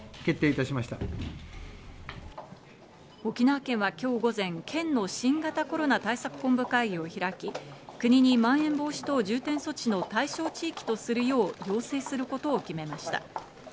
沖縄県はきょう午前、県の新型コロナ対策本部会議を開き、国にまん延防止等重点措置の対象地域とするよう要請することを決めました。